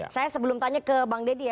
saya sebelum tanya ke bang deddy ya